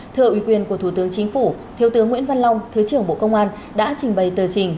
thưa ủy quyền của thủ tướng chính phủ thiếu tướng nguyễn văn long thứ trưởng bộ công an đã trình bày tờ trình